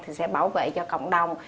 thì sẽ bảo vệ cho cộng đồng